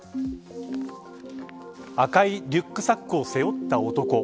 赤いリュックサックを背負った男。